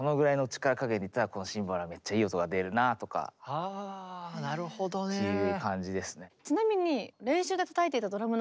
あなるほどね。という感じですね。